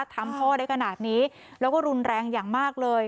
ทำพ่อได้ขนาดนี้แล้วก็รุนแรงอย่างมากเลย